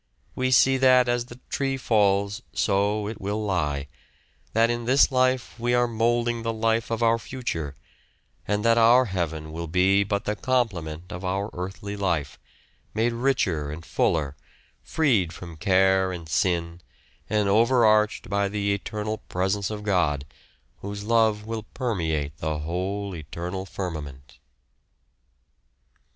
We see that as the tree falls so will it lie; that in this life we are moulding the life of our future, and that our heaven will be but the complement of our earthly life, made richer and fuller, freed from care and sin, and overarched by the eternal presence of God, whose love will permeate the whole eternal firmament.